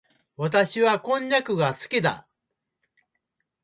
私はこんにゃくが好きだ。